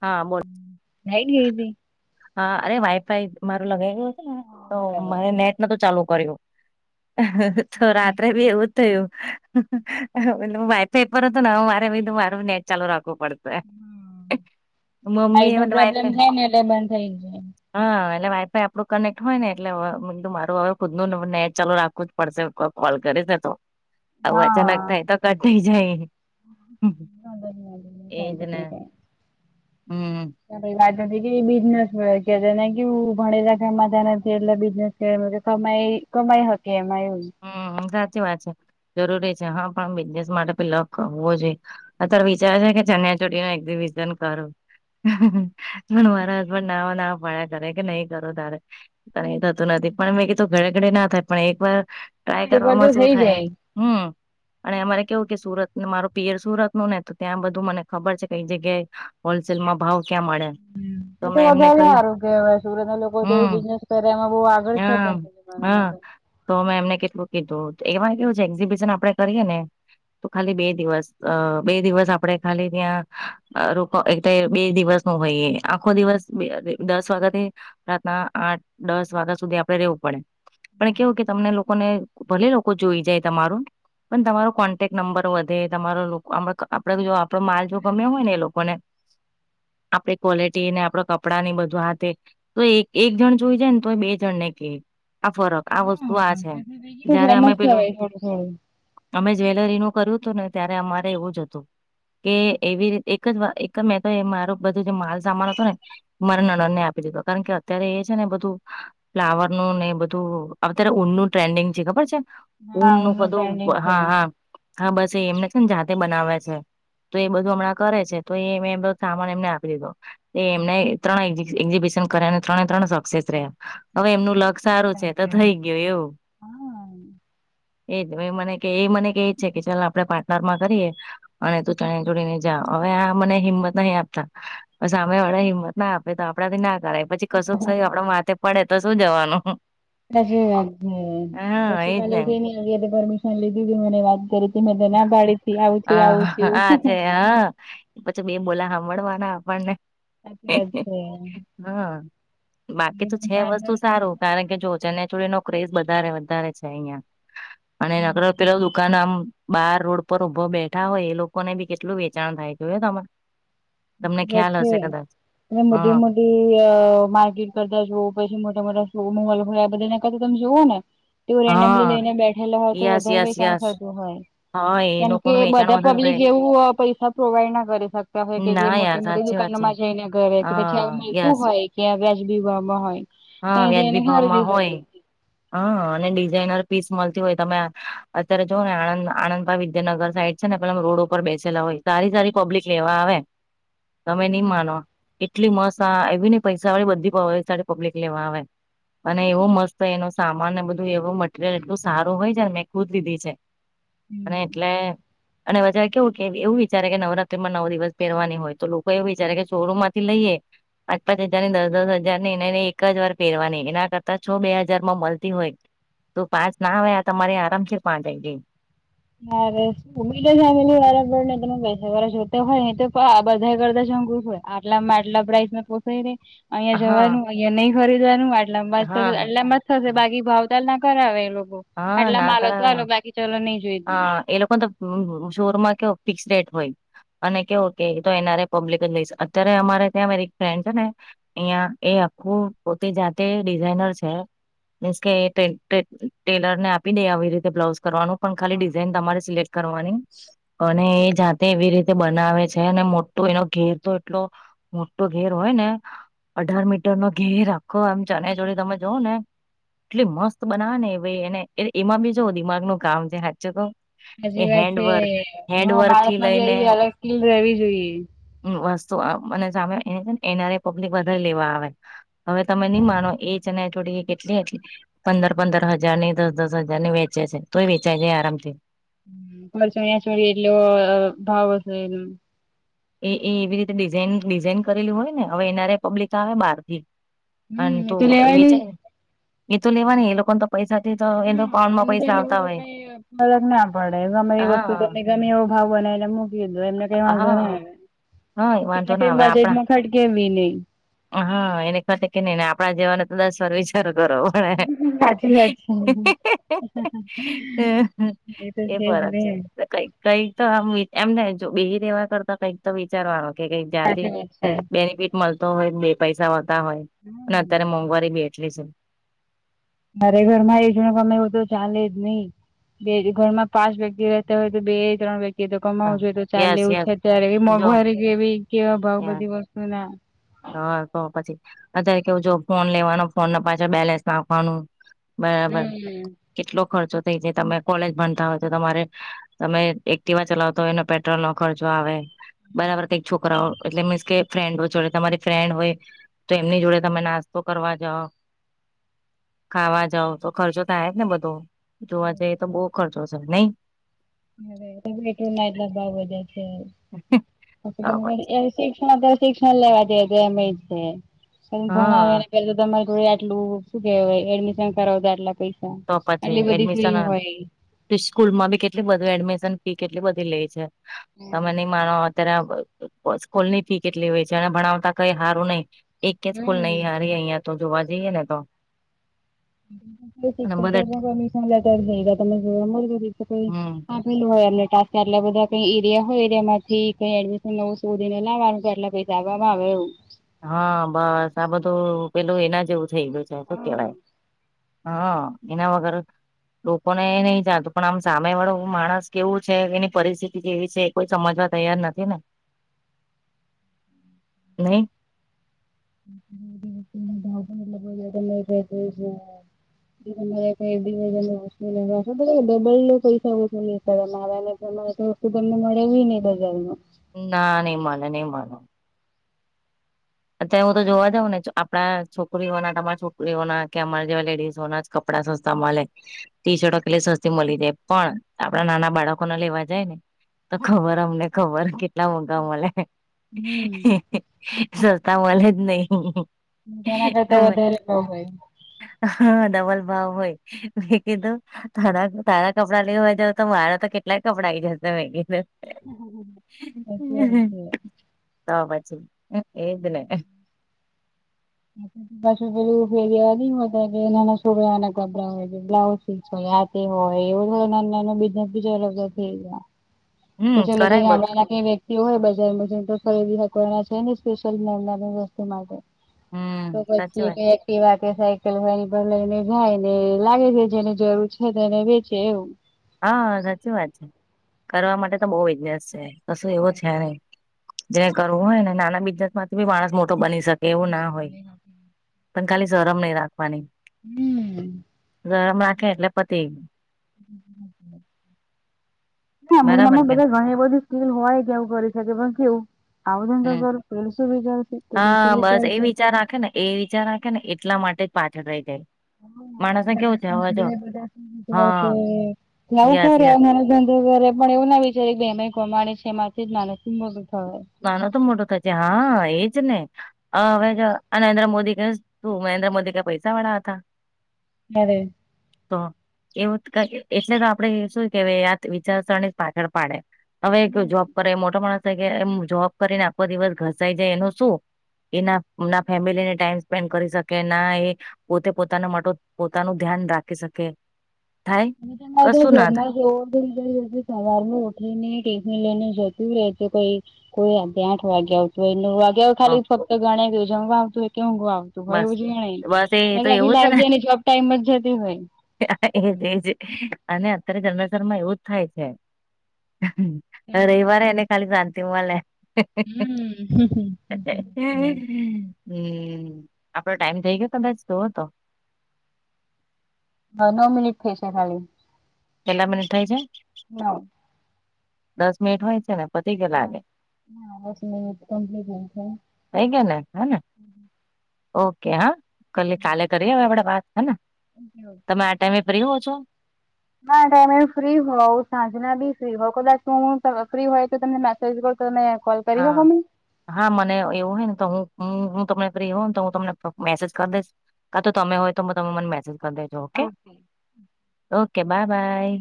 હા બોલ [unintelligible] હા અરે વાઈફાઈ મારું લગાવ ગયું છે. ને હા તો બરાબર મને નેટ ન તો ચાલુ કર્યું- તો હમ રાત્રે બી એવું. થયું એટ વાઈફાઈ પર હતો મારેધું મારું નેટ ચાલુ રાખવું પડતું. [unintelligible] લાઈટ નો પ્રોબ્લેમ થાય ને એટલે બંધ થઈ જાય. હા એટલે વાઈફાઈ આપડું કનેક્ટ હોય ને એટલે માર હવે ખુદ નું નેટ ચાલુ રાખવું. પડશે કોલ કરી જ તો આવું અચાનક હા થાય તો કઢઈ જાય. એજ ને હ મ્મ નથી કે બિઝનેસ ભણેલા ગામમાં નથી એટલે બિઝનેસ ક કમાઈ હકે એમાં હમ સાચી વાત છે જરૂરી છે હા પણ બિઝનેસ માટે પેલો કરવો જોઈએ. અત્યારે વિચાર છે કે ચણિયાચોળી ન એક્ઝિબિશન કરો. પણ મારા હસબન્ડ ના ના ભડ્યા કરે કે નહી કરું તારે થતું નથી પણ મે તો ઘરે ઘડે ના થાય પણ એક વાર હા ટ્રાય એક વાર તો કરવામાં શું થઈ થાય જાય એ હમ. અને અમારે કેવું કે સુરત મારું પિયર સુરત નું ને તો ત્યાં બધું મને ખબર છે, કઈ જગ્યાએ? હોલસેલમાં ભાવ ક્યાં મળે? તો મેં એમને વધારે કહ્યું આરોગ્ય હોય સુરત ના લોકો તો એવું હમ બિઝનેસ કરે એમાં બહ આગળ છે, હા હા [inaudible] તો મેં એમને કેટલું કીધું એમાય કેવું છે, એક્ઝિબિશન આપડે કરીએ ને. તો ખાલી બે દિવસ અ બે દિવસ આપણેે ખાલી ત્યાં. રો એક બે દિવસ ન હોયએ આખો દિવસ દસ વાગ્યાથી. રાતના આઠ દસ વાગ્યા સુધી આપડે રેવું પડે પણ કેવું કે તમને લોકોને. ભલે લોકો જોઈ જાય તમારું. પણ તમારો કોન્ટેક્ટ નંબર વધે તમારો લોકો આપડે જો પણ માલ જો ગમ્યો હોય ને એ લોકો ને. આપડી ક્વોલિટી ને આપડ કપડાં ની બધું હાથે. તો એક એક જણ જોઈ જાય ને તો બે જણને ક આ ફરક આ વસ્તુ આ છે, હા જયારે અમે ફેમસ પેલું થવાય થોડું થોડું અમે જ્વેલરીનુંકર્યું હતું ને ત્યારે અમારે એવું જ હતું. કે એવી રીતે એક જ વા એક જ મેં તો મારું બધું જે માલ સામાન હતો ને. [inaudible] આપી દીધો કારણ કે અત્યારે એ છે, ને બધું. ફ્લાવરનુંને એ બધું અત્યારે ઊન નું ટ્રેન્ડિંગ છે ખબર છે? ઊન હા નું ઓનું બધું ટ્રેન્ડિંગ છે હા હા હા બસ એ એમને છે ને જાતે બનાવે છે, તો એ બધું હમણાં કરે છે, તો એ મેંધો સામાન એમને આપી દીધો. એ એમને ત્રણ એક્ઝિબિશન કર્યા અને ત્રણે ત્રણ સક્સેસ રહ્યા. હવે એમનું લગ સારું છે, તો થઈ ગયું એવું. હા. એજ એ મને એ મને કે છે, કે ચાલ આપડે પાટાર માં કરીએ. અને તું ચણે જોડી ને જા હવે આ મને હિંમત નહી આપતા. સામે વાળા હિંમત ના આપે તો આપડા થી ના કરાય પછી કશું થય આપડ માથે પડે તો શું જવાનું? [unintelligible] વાત હા એજ ને કરી મે ના પાડીથી આવું થયું આવું હા થયું. [inaudible] પછી બે બોલા સાંભળવાના આપણને. સાચી વાત છે. હમ બાકી તો એકદમ છે વસ્તુ પારદર્શક સારું કારણ કે જો ચન્યાચોડી નો ક્રેઝ વધારે વધારે છે હમ અહિયાં [inaudible] દુકાન આમ બહાર રોડ પર ઉભ‌ બેઠા હોય એ લોકોને બી કેટલું વેચાણ થાય જોય તમારે છે અને મોટી હા મોટી માર્કેટ કરતા જોવ‌પછી મોટા મોટા મોલ હોય આ બધા ના કરતા તમે જુઓ ને તેઓ રેન્ડમલી હા લઈને બેઠેલા હોય તો યસ વધારે યસ વેચાણ યસ થતું હોય. હા એ કેમકે લોકોનું વેચાણ બધા વધારે પબ્લિક થાય એવું પૈસા પ્રોવાઈડ ના કરી શકતા હોય. કે જે ના યાર મોટી મોટી સાચી વાત દુકાનો છે માં જઈને ઘરે કે પછી હા મળતું યસ હોય કે વ્યાજબીહમાં હોય હા એ જઈને વ્યાજબી ખરીદી ભાવમાં હોય. શકે હા અને ડિઝાઇનર પીસ મળતી હોય તમે અત્યારે જ ને આણંદ આણંદ મા વિદ્યાનગર સાઈડ છે ને પેલા રોડ ઉપર બેસેલા હોય સારી સારી પબ્લિક લેવા આવે. તમે નઈ હમ માનો કેટલી મસ્ત આ એવી નઈ પૈસા વાળી બધી પબ્લિક લેવા આવેે. અને એવો મસ્ત એનો સામાન અનેને બધું એવું મટરિયલ એટલું સારું હોય છે ને મેં ખુદ લીધી છે. અને એટલે. અને બજારે કેવું કે એવું વિચારે કે નવરાત્રી માં નવો દિવસ પહેરવાની હોય તો લોકો એવું વિચારે કે શોરૂમ માંથી લઈએ પાં પાંચ હજાર ની દસ દસ હજાર ની એને એક જ વાર પહેરવાની એના કરતા છ બે હાજાર માં મળતી હોય. તો પાંચ ના આવે આ તમારે આરામ છે પાંચ આ આવી ગઈ આવે ઉ બી ફેમિલી વારાબર ને તમે પૈસા વાળા જોતા હોય તો બધા કરતા શોકુ હોય. અટલા મેડલા પ્રાઈઝ નને પોસે ર અહિયાં હા જવાનું અહિયાયા નહી ખરીદવાનું આટલામાં જ હા એટલામાં જ થશે બાકી ભાવ ચાલ ના કરાવે એ લોકો આટલા માલો તો ચાલો બાકી ચાલ નહી જોઈ. હ એ લોકો તો શોરમાં કે ફિક્સ રેટ હોય. અને કેવો કે તો એનારે પબ્લિક લઈશ અત્યારે અમારે ત્યાં મારી ફ્રેન્ડ છે ને. અહિયાં એ આખું પોતે જાતે ડિઝાઇનર છે. મીન્સ કે ટેલ ટેલ ટેલર ને આપી દે આવી રીતે બ્લાઉઝ કરવાનું. પણ ખાલી હા ડિઝાઇન તમારે સિલેક્ટ કરવાની. અને એ જાતે એવી રીતે બનાવે છે અને મોટો એનો ઘેર તો એટલો મોટો ઘેર હોય ને અઢાર મીટર નો ઘેર આખો એમ. ચણિયાચોળી તમે જોવ ને એટલી મસ્ત બનાવે ને ભાઈ એને એમાં બી જો દિમાગ ન કામ જે સાચુ કહુ હજી વાત છે હું માણસ થી માંથી લઈને આવી અલગ કિલ રેવી જોઈએ. વસ્તુ આમ સામે એનઆર પબ્લિક વધારે લેવા આવે. હવે તમે નહી માનો એ જ અને થોડી કેટલી એટલી પંદર પંદર હજારની દસ દસ હજાર ની વેચે છે તોય વેચાય જાય આરામથી મારે ચણિયાચોળી એટલો ભાવ હશે એ એ એ એવી રીતેિઝ ડિઝાઇન કરેલું હોય ને હવે એનારે પબ્લિક આવે બાર થી. હમ એ તો લેવાય નહિ એ તો લેવા એ લોકો તો પૈસા થી તો એતો કાઉન્ડ માં પૈસા આવતા હોય. કે ફરક ના પડે અમે એ હા વસ્તુ તમને ગમે એવો ભાવ બને એને મૂકી દો એમને કઈ વાંધો હા નહી હા એ તેમને વાંધો ના પેલનમાં ખટકે નહી. આ હા એને ખડે કે નહી ને આપડા જવાને તો દસ વાર વિચારો કરો. હ સાચી વાત છે તો હ એ છે જ ફરક ને છે કઈક કઈક તો આ એમને જો બઈ રેવા કરતા કઈક તો વિચારવાનો કે કઈક જાતિ સાચી વાત છે બેનિફિટ મળતો હોય બે પૈસા હોતાહોય અને હમ અત્યારે મોંઘવારી એટલી છે. મારે ઘર માં એજ ગમેવુ તો ચાલે જ નહી. બે ઘરમાં પાંચ વ્યક્તિ રહેતા હોય તો બે ત્રણ વ્યક્તિ તો હા કમાવું છો તો ચાલે યસ એવું છે યસ અત્યારે એ જો મોંઘવારી કે એવી કેવા ભાવ બધી વસ્તુ ના હા તો પછી અત્યારે કેવું જો ફોન લેવાનો ફોનને પાછળ બેલેન્સ નાખવાનું. બરાબર હમ. કેટલો ખર્ચો થઇ જાય તમે કોલેજ ભણતા હોય તો તમારે તમે એકટીવા ચલાવતા હોયને પેટ્રોલ નો ખર્ચો આવે બરાબર કંક છોકરાઓ એટલે મીન્સ કે ફ્રેન્ડો જોડે તમારે ફ્રેન્ડ હોય તો એમની જોડે તમે નાસ્તો કરવા જાઓ. ખાવા જાવ તો ખર્ચો થાય જ ને બધો જોવા જઈ તો બહુ ખર્ચો છે નઈ હ એતો પ્રટોલના એટલા ભાવ વધયા છે ત બરાબર શિક્ષણ શિક્ષણ લેવા જઈએ તો એમ છે ભણાવ હા એને કે તમારે જો આટલું. શું કેહેવાય એડમિશન કરાવતા આટલા પૈસા આટલી બધી ફ્રી હોય સ્કૂલ માં બી કેટલી બધી એડમિશન ફી કેટલી બધી લે છે તમે નહીં માનો. અત્યારે સ્કૂલની ફી કેટલી હોય છે અને ભણાવતા કઈ હારું નહી. એકય સ્કૂલ હમ. નહીં હારી અહિયાં તો જોવા જઈએ ને તો. [unintelligible] ની અને બધા હમ હોય એમ ટા એટલા બધા કઈ એરિયા હોય એરિયા થી કઈ એડમિશન નવું શોધીને લાવવાનું એટલા. જવા વાવ એવું. હા બસ આ બધું પેલું એના જેવું થઈ ગયું છે શું હા. કેવાય. હા એના વગર. લોકોને એ નહી જાતું પણ આમ સામે વાળો માણસ કેવું છે એની પરિસ્થિતિ કેવી છે. કોઈ સમજવા તૈયાર નથી ને નહી. [unintelligible] ડબલ પૈસા ઓ માને. [unintelligible] તો તમને મળે એવું નહી બજારમાં. ના નઈ મળે નઈ મળે. અત્યારે હું તો જોવા જઉં ને આપણા છોકરીઓના તમારા છોકરીઓના કે અમારા જેવા લેડીઝોના. કપડા સસ્તા મલે. ટીશર્ટ એટલી સસ્તી મળી જાય પણ આપડા નાના બાળકો ના લેવા જાય ને. તો ખબર અમને ખબર કેટલા મોટા મળે. હમ્મ. સસ્તા મલે જ નહી. તેના કરતા હ વધારે ભાવ હોય. હા ડબલ ભાવ હોય. મેં કીધું. તારા તારા કપડાં લેવા જાવ તો મારા તો કેટલાય કપડાં આઈ જતા હોય. સાચી વાત છે. તો પછી એજ ને. [inaudible] પશ ફેરીવા શોના ગબરા હોય છે બ્લાઉ સીસય. તે હોય એવું થ ના નાનો બિઝનેસ બી ચ થઈ ગયા. હમ ચલે જે કરાય બધું ગામડા ના જે. વ્યક્તિ એવું હોય બજારમાં જે તો ખરીદી નાકવાના છે ને સ્પેશિયલ મેનાની વસ્તુ માટે. હમ તો સાચી પછી વાત કઈક. એ વા કે સાયકલ વાની પર લઈને જાય ને લાગે છે જેને જરૂર છે તો એને વેચે એવું. હા સાચી વાત છે કરવા માટે તો બહ બિઝનેસ છે કશું એવું છે નઈ. જેને કરવું હોય ને નાના બિઝનેસ માંથી બી માણસ મોટો બની શકે એવું ના હોય. પણ ખાલી શરમ નહી રાખવાની. હમ. શરમ રાખે એટલે પતી. [inaudible] ના બરાબર અમુક કે બધા ઘણી બધી સ્કીલ હોય કે એવું કરી શકે પણ કેવું. આવઉધંગ હમ કરર પલસું બી ખલશે તેલસું હા બી બસ એ કેલશે. વિચાર રાખે ને. એ વિચાર રાખે ને એટલા માટે જ પાછળ રહી જાય. હમ માણસને સગા કેવું છે હવે જો સબંધીઓ બધા. [unintelligible] હા યસ યસ પણ એવું ના વિચારી કે એ કો માણે છે એમાંથી જ માણસ મોટો થયો એમ. નાનો તો મોટો થશે હા એજ ને હ હવે. આ નરેન્દ્ર મોદી ક તું નરેન્દ્ર મોદી કઈ પૈસા વાળા હતા. ના રે. તો એવું એટલે તો આપડે શું કે આયા વિચારસરણી જ પાછળ પાડે. હવે ક જોબ કરે મોટો માણસ થાય કે એમ જોબ કરીને આખો દિવસ ઘસાઈ જાય એનું શું. એના ના ફેમિલી ને ટાઈમ સ્પેન્ડ કરી શકે ના એ પોતે પોતાના માટે પોતાનું ધ્યાન રાખી શકે થાય તો મધ કશું ના થાય જમાંવ [unintelligible] ઈ સવાર ઉઠીને ટિફિન લઈને જતુ રહેત કોઈ કોઈ આજે આઠ વાગે આવતું હોય નવ વાગે હ ખાલી ફક્ત ગણ ગયું જમવા આવું હોય કે ઉઘવા આવતું હોય બસ એવું જ ઈન બસ એ તો ત્યારે આખી એવું છે લાઈફ ને જાયને જોબ ટાઈમ જ જતી હોય એજ અને અત્યારે જમેસરમાં એવું જ થાય છે ત્યારે રવિવારે એને ખાલી રાતે મલે હમ હમ હમ હમ આપડો ટાઈમ થઇ ગયો તો બેન જોવ તો હ નવ મનિટ થ ઈશે ખાલી કેટલા મિનિટ થાય છે નવ દસ મનિટ હોય છે ને પતી ગયા લાગે હા હાલી થઈ ગયા ને હે ને [unintelligible] ઓકે હા કાલી કાલે કરી હ આપડે વાત હે ને તમે આ ટાઈમે ફ્રી હો છો ના ટાઈમે એ ફ્રી હોઉ સાંજના બી ફ્રી હોઉ કદાચ હું ફ્રી હોય તો તમને થી તમેને કોલ કરી હા હો મ હા મને એવું હોય ને તો હું હું તમને ફ્રી હોને તો હું તમને મેસેજ કરી દઈશ કા તો તમે હોય તો તમે મને મેસેજ કરી દેજો ઓકે ઓકે બાય બાય